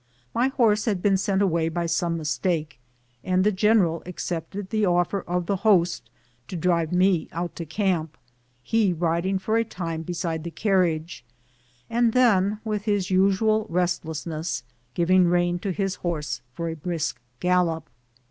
My horse had been sent away by some mistake, and the general accepted the offer of the host to drive me out to camp, he riding for a time beside the carriage, and then, with his usual restlessness, giving rein to his horse for a brisk gallop.